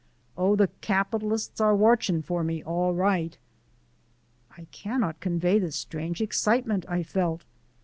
Oh, the capitalists are watchin' for me, all right." I cannot convey the strange excitement I felt.